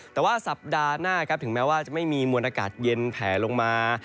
แต่ว่าสัปดาห์หน้าครับถึงแม้ว่าจะไม่มีมวลอากาศเย็นแผลลงมา